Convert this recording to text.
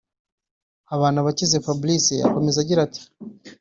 Habanabakize Fabrice akomeza agira ati